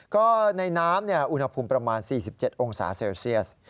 ก็ในน้ำอุณหภูมิประมาณ๔๗องศาเซลเซียส